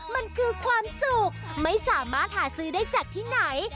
มันคือความสุขไม่สามารถหาซื้อได้จากที่ไหน